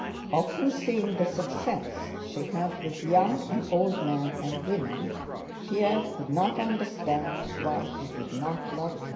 Often seeing the success she had with young and old men and women Pierre could not understand why he did not love her.